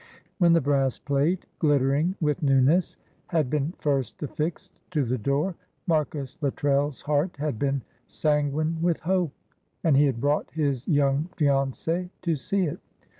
When the brass plate, glittering with newness, had been first affixed to the door, Marcus Luttrell's heart had been sanguine with hope, and he had brought his young fiancée to see it.